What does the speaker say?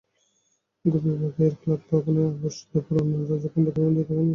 গোপীবাগের club ভবনে অলস দুপুরে অন্যরা যখন ভাতঘুম দিচ্ছেন, ওয়ালসন ব্যস্ত মুঠোফোনে।